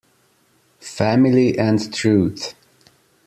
Family and truth.